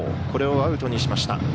これをアウトにしました。